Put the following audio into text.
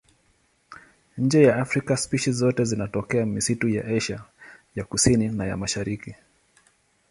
Nje ya Afrika spishi zote zinatokea misitu ya Asia ya Kusini na ya Mashariki.